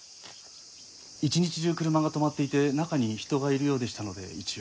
一日中車が止まっていて中に人がいるようでしたので一応。